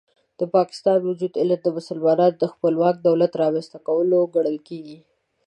د پاکستان وجود علت د مسلمانانو د خپلواک دولت رامنځته کول ګڼل کېږي.